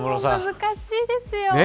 難しいですよ。